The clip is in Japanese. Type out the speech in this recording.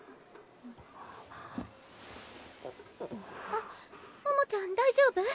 あっ桃ちゃん大丈夫？